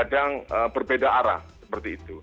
kadang berbeda arah seperti itu